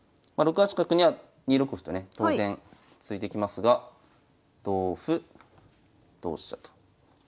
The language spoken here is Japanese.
八角には２六歩とね当然突いてきますが同歩同飛車と。